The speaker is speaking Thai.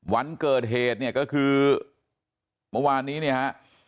วันเกิดเหตุเนี่ยก็คือเมื่อวานนี้เนี่ยฮะ